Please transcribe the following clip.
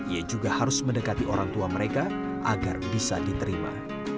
ia juga harus mendekati orang tua mereka agar bisa diterima